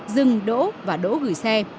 dừng đỗ và đỗ gửi xe